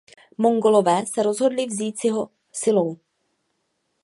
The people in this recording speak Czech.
Mongolové se rozhodli vzít si ho silou.